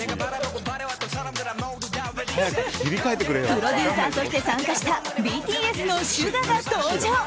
プロデューサーとして参加したＢＴＳのＳＵＧＡが登場。